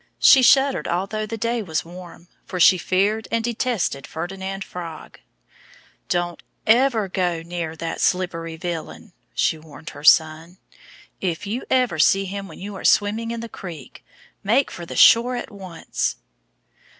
She shuddered although the day was warm; for she feared and detested Ferdinand Frog. "Don't ever go near that slippery villain!" she warned her son. "If you ever see him when you are swimming in the creek, make for the shore at once."